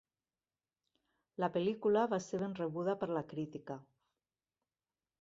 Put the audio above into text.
La pel·lícula va ser ben rebuda per la crítica.